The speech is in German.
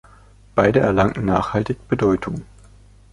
Beide erlangten nachhaltige Bedeutung.